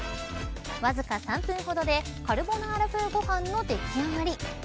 わずか３分ほどでカルボナーラ風ご飯の出来上がり。